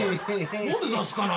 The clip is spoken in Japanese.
何で出すかな。